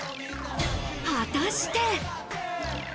果たして。